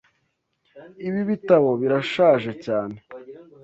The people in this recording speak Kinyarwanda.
Ibi bitabo birashaje cyane.